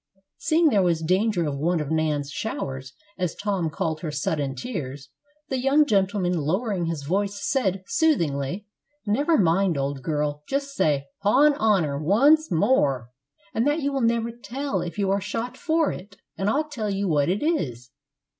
Seeing there was danger of one of Nan's showers, as Tom called her sudden tears, that young gentleman lowering his voice said, soothingly, "Never mind, old girl; just say, ''Pon honor' once more, and that you will never tell if you are shot for it, and I'll tell you what it is."